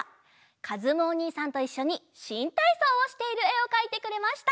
かずむおにいさんといっしょにしんたいそうをしているえをかいてくれました！